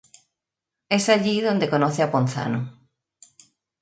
Es allí donde conoce a Ponzano.